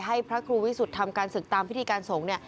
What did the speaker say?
ให้พระครูวิสุทธิ์ทำการศึกตามพิธีการสงฆ์